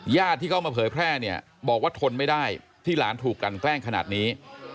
ที่เขามาเผยแพร่เนี่ยบอกว่าทนไม่ได้ที่หลานถูกกันแกล้งขนาดนี้